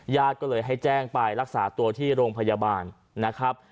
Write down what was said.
ญาติก็เลยให้แจ้งไปรักษาตัวที่โรงพยาบาลนะครับ